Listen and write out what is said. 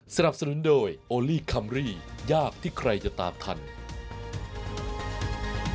สนับสนุนโดยโอลี่คัมรี่ยากที่ใครจะตามทัน